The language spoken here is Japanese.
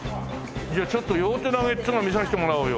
じゃあちょっと両手投げっていうのを見させてもらおうよ。